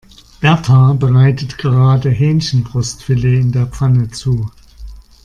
Berta bereitet gerade Hähnchenbrustfilet in der Pfanne zu.